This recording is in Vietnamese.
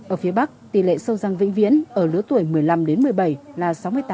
ở phía bắc tỷ lệ sâu răng vĩnh viễn ở lứa tuổi một mươi năm đến một mươi bảy là sáu mươi tám